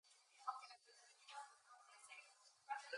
He is a member of the centre-right Unity party.